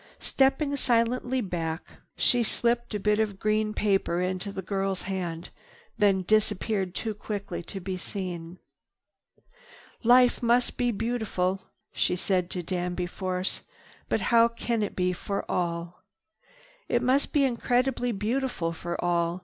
Stepping silently back, she slipped a bit of green paper into the girl's hand, then disappeared too quickly to be seen. "Life must be beautiful," she said to Danby Force, "but how can it be, for all?" "It must be increasingly beautiful for all."